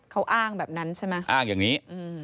เขาอ้างแบบนั้นใช่ไหมอ้างอย่างนี้